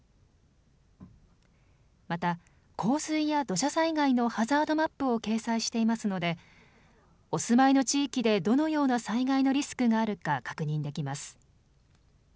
また、洪水や土砂災害のハザードマップを掲載していますのでお住まいの地域でどのような災害のリスクがあるか確認できます。